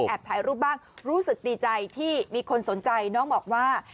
ถ่ายรูปบ้างรู้สึกดีใจที่มีคนสนใจน้องบอกว่า